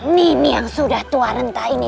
nini yang sudah tua rentah ini